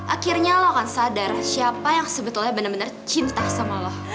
akhirnya lo akan sadar siapa yang sebetulnya benar benar cinta sama lo